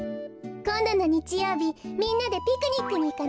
こんどのにちようびみんなでピクニックにいかない？